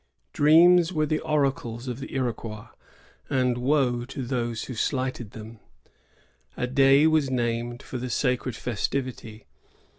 Dreams were the oracles of the Iroquois, and woe to those who slighted them. A day was named for the sacred festivity.